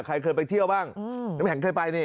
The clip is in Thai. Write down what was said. ใครเคยไปเที่ยวบ้างน้ำแข็งเคยไปนี่